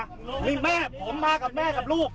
นี่แม่ผมมากับแม่กับลูก